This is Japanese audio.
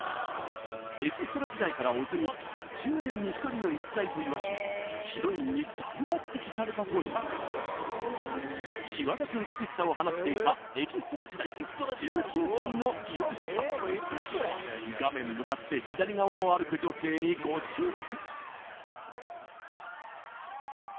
エキストラ時代から小津に１０年に１人の逸材と言わしめヒロインに大抜擢されたという際立つ美しさを放っていたエキストラ時代１９歳の岩下画面向かって左側を歩く女性にご注目